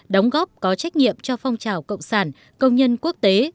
đóng góp có trách nhiệm cho phong trào cộng sản công nhân quốc tế